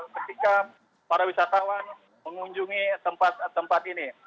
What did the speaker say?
ketika para wisatawan mengunjungi tempat tempat ini